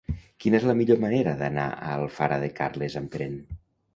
Quina és la millor manera d'anar a Alfara de Carles amb tren?